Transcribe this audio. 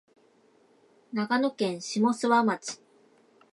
長野県下諏訪町